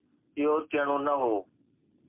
اهو ٿيڻو نه هو.